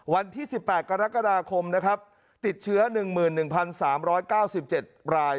วันที่๑๘กรกฎาคมนะครับติดเชื้อ๑๑๓๙๗ราย